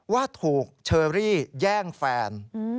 ว่าถูกเชอรี่แย่งแฟน